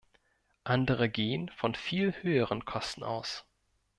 Andere gehen von viel höheren Kosten aus.